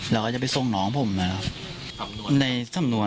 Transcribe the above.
แล้วก็จะไปทรงน้องผมนะครับ